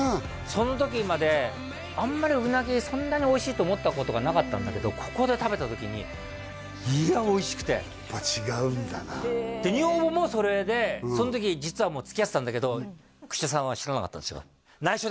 その時まであんまりウナギそんなにおいしいと思ったことがなかったんだけどここで食べた時にやっぱ違うんだなで女房もそれでその時実はもうつきあってたんだけど串田さんは知らなかったんですよ